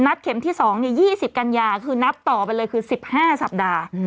เข็มที่๒๒๐กันยาคือนับต่อไปเลยคือ๑๕สัปดาห์